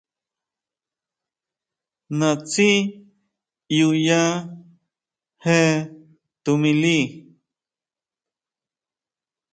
Naʼtsi ʼyu ya je tuʼmili.